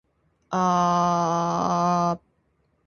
同封しているクーポン券を手元にご用意ください